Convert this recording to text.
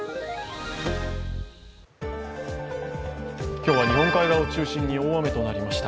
今日は日本海側を中心に大雨となりました。